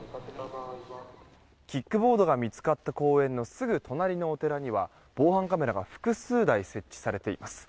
キックボードが見つかった公園のすぐ隣のお寺には防犯カメラが複数台設置されています。